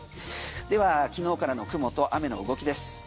では昨日からの雲と雨の動きです。